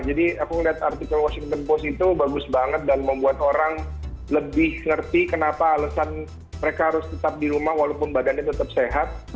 jadi aku lihat artikel washington post itu bagus banget dan membuat orang lebih ngerti kenapa alasan mereka harus tetap di rumah walaupun badannya tetap sehat